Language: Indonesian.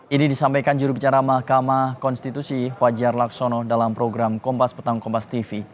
ini disampaikan jurubicara mahkamah konstitusi fajar laksono dalam program kompas petang kompas tv